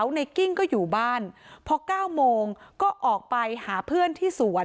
เมเมริกาแม่ไกร่แกนกกโมงก็อยู่บ้านเพราะ๙โมงแกนกก็เอาไปหาเพื่อนที่สวน